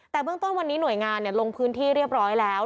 แต่เบื้องต้นวันนี้หน่วยงานลงพื้นที่เรียบร้อยแล้ว